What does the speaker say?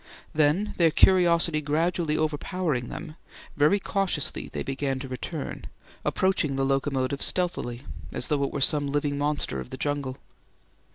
Then, their curiosity gradually overpowering them, very cautiously they began to return, approaching the locomotive stealthily as though it were some living monster of the jungle.